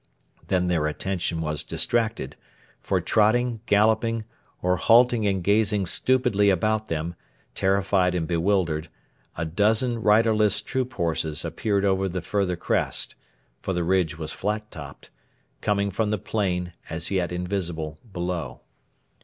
Then their attention was distracted; for trotting, galloping, or halting and gazing stupidly about them, terrified and bewildered, a dozen riderless troop horses appeared over the further crest for the ridge was flat topped coming from the plain, as yet invisible, below.